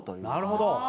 なるほど！